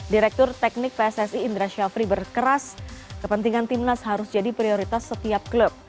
direktur teknik pssi indra syafri berkeras kepentingan timnas harus jadi prioritas setiap klub